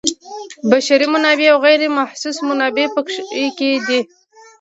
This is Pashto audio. بشري منابع او غیر محسوس منابع پکې دي.